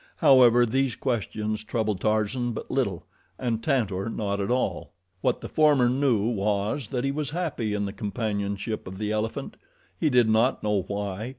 However, these questions troubled Tarzan but little, and Tantor not at all. What the former knew was that he was happy in the companionship of the elephant. He did not know why.